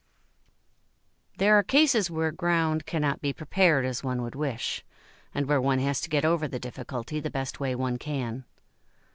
There are cases where ground cannot be prepared as one would wish, and where one has to get over the difficulty the best way one can.